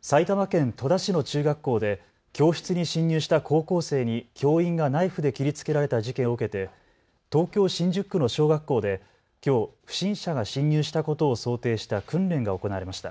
埼玉県戸田市の中学校で教室に侵入した高校生に教員がナイフで切りつけられた事件を受けて東京新宿区の小学校できょう不審者が侵入したことを想定した訓練が行われました。